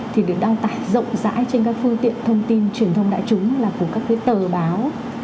thì để đăng tải rộng rãi trên các phương tiện thông tin truyền thông đại chúng là của các cái tờ báo